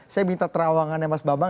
saya minta terawangannya mas bambang